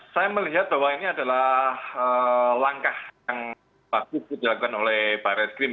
saya melihat bahwa ini adalah langkah yang pasti dilakukan oleh barat krim